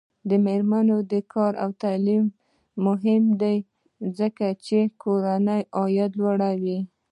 د میرمنو کار او تعلیم مهم دی ځکه چې کورنۍ عاید لوړوي.